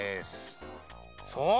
そう！